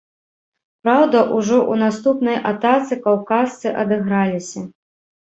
Праўда, ужо ў наступнай атацы каўказцы адыграліся.